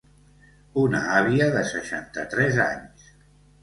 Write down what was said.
Una àvia de seixanta-tres anys.